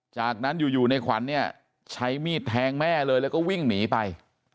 จากนั้นอยู่ในขวัญเนี่ยใช้มีดแทงแม่เลยแล้วก็วิ่งหนีไป